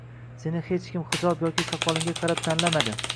seni hech kim hijob yoki soqolingga qarab tanlamaydi